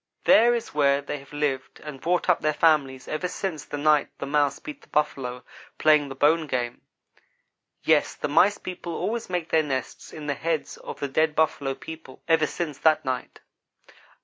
There is where they have lived and brought up their families ever since the night the Mouse beat the Buffalo playing the bone game. Yes the Mice people always make their nests in the heads of the dead Buffalo people, ever since that night.